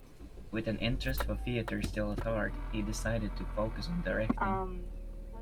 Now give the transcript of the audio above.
With an interest for theatre still at heart, he decided to focus on directing.